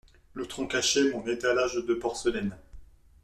Le tronc cachait mon étalage de porcelaines.